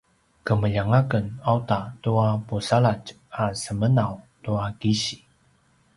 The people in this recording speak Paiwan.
kemeljang aken auta tua pusaladj a semenaw tua kisi